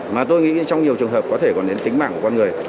mà tôi nghĩ trong nhiều trường hợp có thể còn đến tính mạng của con người